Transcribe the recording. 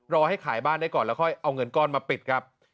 ให้ขายบ้านได้ก่อนแล้วค่อยเอาเงินก้อนมาปิดครับ